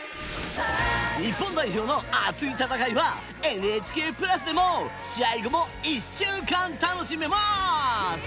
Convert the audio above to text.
日本代表の熱い戦いはＮＨＫプラスでも試合後も１週間楽しめます。